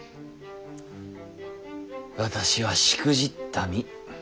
私はしくじった身。